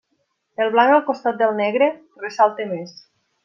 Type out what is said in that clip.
El blanc al costat del negre, ressalta més.